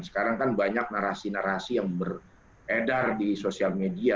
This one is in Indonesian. sekarang kan banyak narasi narasi yang beredar di sosial media